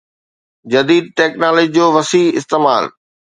جديد ٽيڪنالاجي جو وسيع استعمال